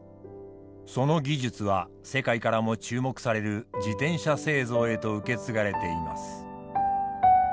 その技術は世界からも注目される自転車製造へと受け継がれています。